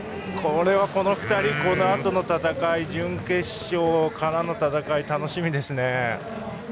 これはこの２人のこのあとの戦い準決勝からの戦いが楽しみですね。